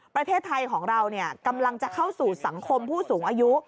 ประเทศไทยของเรากำลังจะเข้าสู่สังคมผู้สูงอายุ